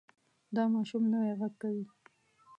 دا ماشوم نوی غږ کوي.